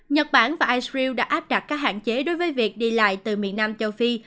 nhật bản và irew đã áp đặt các hạn chế đối với việc đi lại từ miền nam châu phi